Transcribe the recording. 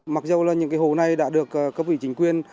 mặc dù là những cái hồ này đã được các vị chính quyền